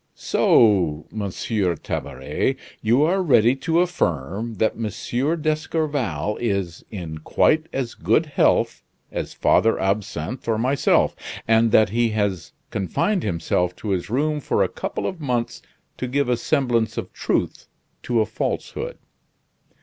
"So, Monsieur Tabaret, you are ready to affirm that M. d'Escorval is in quite as good health as Father Absinthe or myself; and that he has confined himself to his room for a couple of months to give a semblance of truth to a falsehood?"